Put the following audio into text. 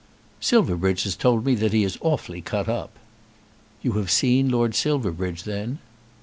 "Silverbridge has told me that he is awfully cut up." "You have seen Lord Silverbridge then?"